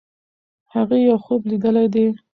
هغې یو خوب لیدلی دی.